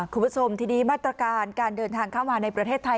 คุณผู้ชมทีนี้มาตรการการเดินทางเข้ามาในประเทศไทย